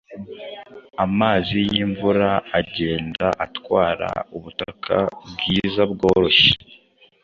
amazi y’imvura agenda atwara ubutaka bwiza bworoshye